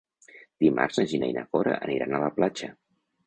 Dimarts na Gina i na Cora aniran a la platja.